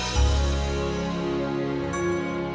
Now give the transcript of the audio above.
hapes banget dah